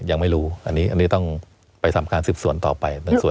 ยังไม่รู้อันนี้ต้องไปทำการสืบสวนต่อไป